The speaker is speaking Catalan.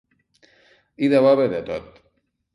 Hi deu haver de tot.